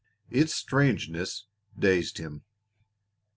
Its strangeness dazed him.